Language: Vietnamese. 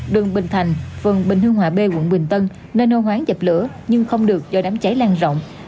đường bình thành phường bình hương hòa bê quận bình tân nơi nô hoán dập lửa nhưng không được do đám cháy lan rộng